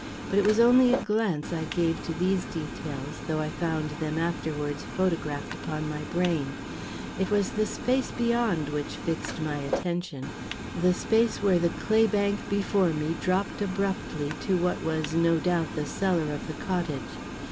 But it was only a glance I gave to these details, though I found them afterwards photographed upon my brain; it was the space beyond which fixed my attention the space where the clay bank before me dropped abruptly to what was no doubt the cellar of the cottage.